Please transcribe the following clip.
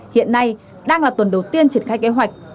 hiện nay đang là tuần đầu tiên triển khai kế hoạch